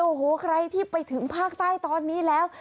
โอ้โหใครที่ไปถึงภาคใต้ตอนนี้แล้ว